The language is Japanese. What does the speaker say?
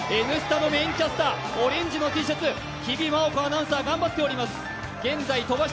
「Ｎスタ」のメインキャスター、オレンジのＴシャツ日比麻音子アナウンサー、頑張っております。